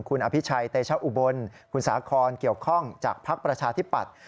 คุณอภิชัยเตชะอุบลคุณสาคอนเกี่ยวข้องจากภักดิ์ประชาธิปัตย